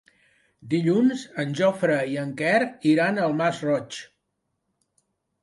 Dilluns en Jofre i en Quer iran al Masroig.